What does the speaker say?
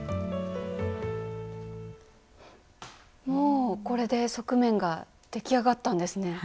もうこれで側面が出来上がったんですね。